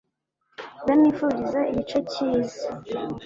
ndamwifuriza igice cyiza